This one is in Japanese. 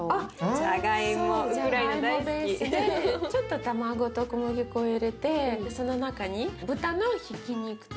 じゃがいもベースでちょっと卵と小麦粉を入れてその中に豚のひき肉と。